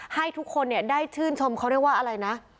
ให้ทุกคนเนี่ยได้ชื่นชมเขาได้ว่าอะไรนะ